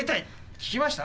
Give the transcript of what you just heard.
聞きました？